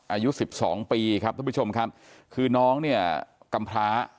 อายุสิบสองปีครับท่านผู้ชมครับคือน้องเนี่ยกำพร้า